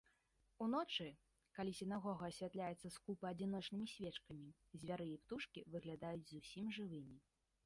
Уночы, калі сінагога асвятляецца скупа адзіночнымі свечкамі, звяры і птушкі выглядаюць зусім жывымі.